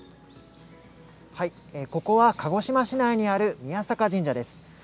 ここは鹿児島市内にある宮坂神社です。